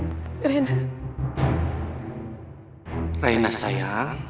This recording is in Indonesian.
mudah mudahan kamu akan berjaya